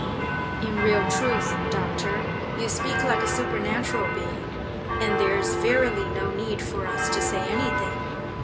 "In real truth, Doctor, you speak like a supernatural being, and there's verily no need for us to say anything!